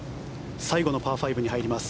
最後のパー５に入ります。